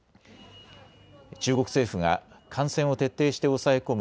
中国政府が感染を徹底して抑え込む